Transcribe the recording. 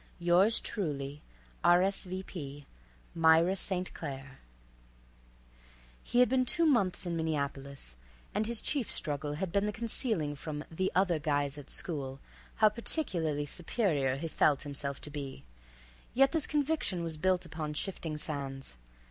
Yours truly, R.S.V.P. Myra St. Claire. He had been two months in Minneapolis, and his chief struggle had been the concealing from "the other guys at school" how particularly superior he felt himself to be, yet this conviction was built upon shifting sands.